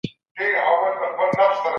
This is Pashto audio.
که څه هم د دې نه وي خوښه.